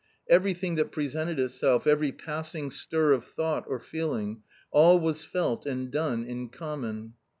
Everything that presented itself, every passing stir of thought or feeling — all was felt and done in common.